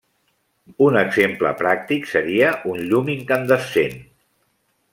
Un exemple pràctic seria un llum incandescent.